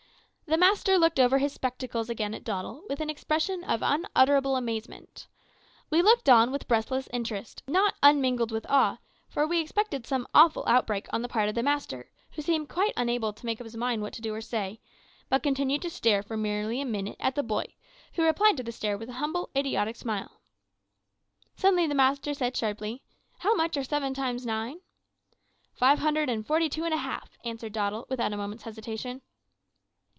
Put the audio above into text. The master looked over his spectacles again at Doddle with an expression of unutterable amazement. We looked on with breathless interest, not unmingled with awe, for we expected some awful outbreak on the part of the master, who seemed quite unable to make up his mind what to do or say, but continued to stare for nearly a minute at the boy, who replied to the stare with a humble, idiotic smile. "Suddenly the master said sharply, `How much are seven times nine?' "`Five hundred and forty two and a half,' answered Doddle, without a moment's hesitation.